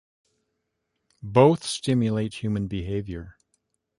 Both stimulate human behavior.